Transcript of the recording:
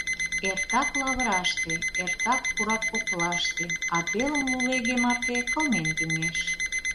Эртак лавыраште, эртак пурак коклаште, а телым лулеге марте кылмен тӱҥеш.